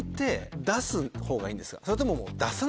それとも。